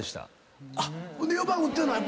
ほんで４番打ってたの？